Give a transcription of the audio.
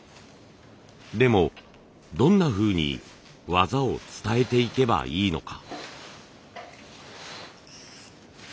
でもどんなふうに技を伝えていけばいいのか。